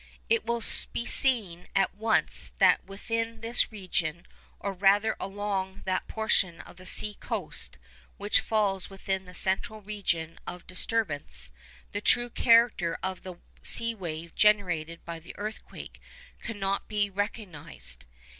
It will be seen at once that within this region, or rather along that portion of the sea coast which falls within the central region of disturbance, the true character of the sea wave generated by the earthquake could not be recognised.